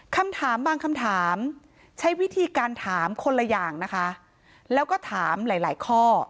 คำถามบางคำถามใช้วิธีการถามคนละอย่างนะคะแล้วก็ถามหลายหลายข้อ